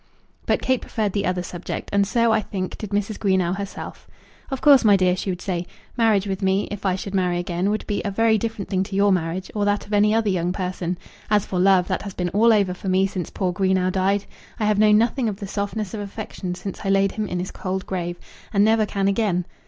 But Kate preferred the other subject, and so, I think, did Mrs. Greenow herself. "Of course, my dear," she would say, "marriage with me, if I should marry again, would be a very different thing to your marriage, or that of any other young person. As for love, that has been all over for me since poor Greenow died. I have known nothing of the softness of affection since I laid him in his cold grave, and never can again.